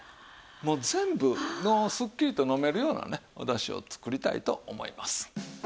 もう全部すっきりと飲めるようなねおだしを作りたいと思います。